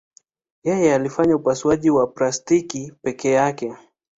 Yeye alifanya upasuaji wa plastiki peke yake.